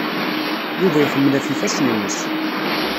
Yuba ixemmel ɣef yifassen-nnes.